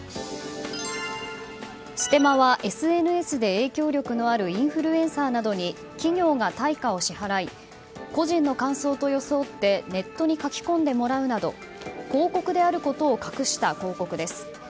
ステマはＳＮＳで影響力のあるインフルエンサーなどに企業が対価を支払い個人の感想と装ってネットに書き込んでもらうなど広告であることを隠した広告です。